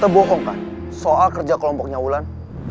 bohong kan soal kerja kelompoknya wulan